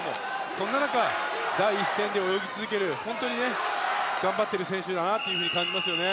そんな中、第一線で泳ぎ続ける頑張っている選手だなと感じますね。